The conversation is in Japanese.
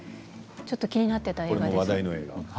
ちょっと気になっていた映画です。